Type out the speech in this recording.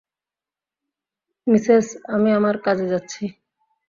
Mrs, আমি আমার কাজে যাচ্ছি।